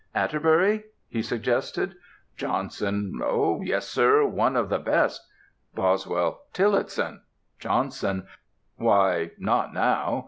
"Atterbury?" he suggested. "JOHNSON: Yes, Sir, one of the best. BOSWELL: Tillotson? JOHNSON: Why, not now.